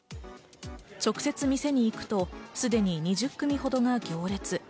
直接店に行くとすでに２０組ほどが行列。